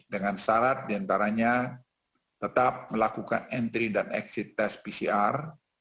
dengan syarat diantaranya tetap melakukan entry dan exit tes pcr